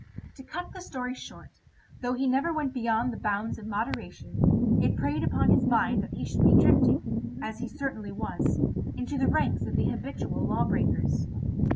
To cut the story short, though he never went beyond the bounds of moderation, it preyed upon his mind that he should be drifting, as he certainly was, into the ranks of the habitual law breakers.